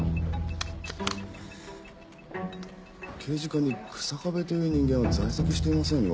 刑事課に草壁という人間は在籍していませんが。